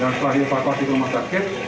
dan setelah di evakuasi rumah sakit